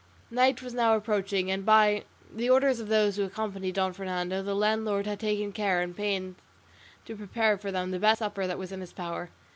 Night was now approaching, and by the orders of those who accompanied Don Fernando the landlord had taken care and pains to prepare for them the best supper that was in his power.